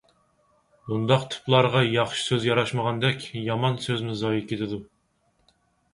بۇنداق تىپلارغا ياخشى سۆز ياراشمىغاندەك، يامان سۆزمۇ زايە كېتىدۇ.